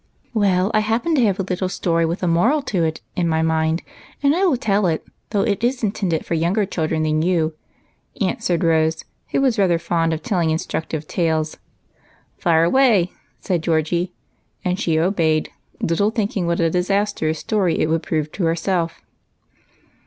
Well, I happen to have a little story with a moral to it in my mind, and I will tell it, though it is in tended for younger children than you," answered Kose, who was rather fond of telling instructive tales. " Fire away," said Geordie, and she obeyed, little thinking what a disastrous story it would prove to her self.